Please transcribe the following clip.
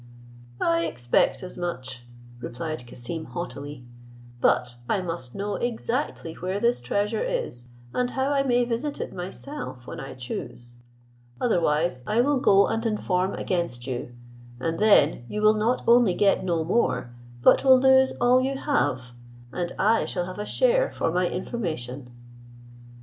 "I expect as much," replied Cassim haughtily; "but I must know exactly where this treasure is, and how I may visit it myself when I choose; otherwise I will go and inform against you, and then you will not only get no more, but will lose all you have, and I shall have a share for my information."